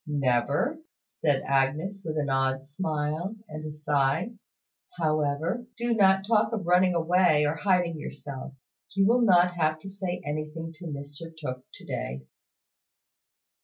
"Never?" said Agnes, with an odd smile and a sigh. "However, do not talk of running away, or hiding yourself. You will not have to say anything to Mr Tooke to day."